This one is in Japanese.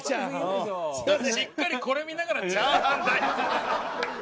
しっかりこれ見ながらチャーハン大。